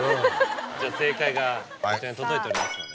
じゃあ正解がこちらに届いておりますので。